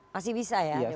masih bisa ya